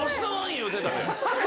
言うてたで。